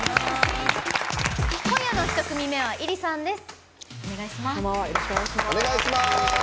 今夜の１組目はｉｒｉさんです。